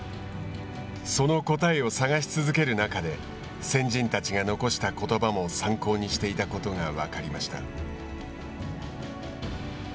その答えを探し続ける中で先人たちが残したことばも参考にしていたことが分かりました。